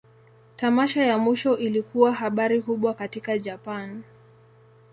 Tamasha ya mwisho ilikuwa habari kubwa katika Japan.